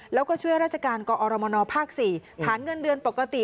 แล้วก็ช่วยราชการกอรมนภ๔ฐานเงินเดือนปกติ